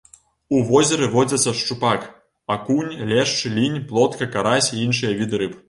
У возеры водзяцца шчупак, акунь, лешч, лінь, плотка, карась і іншыя віды рыб.